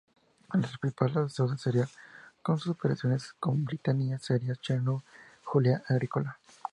El principal asesor de Cerial en sus operaciones en Britania sería Cneo Julio Agrícola.